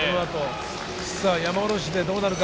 山おろしでどうなるか。